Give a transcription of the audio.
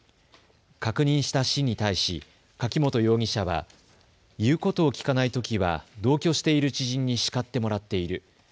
確認した市に対し柿本容疑者は言うことを聞かないときは同居している知人に叱ってもらっている。